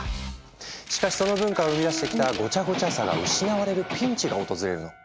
しかしその文化を生み出してきたごちゃごちゃさが失われるピンチが訪れるの。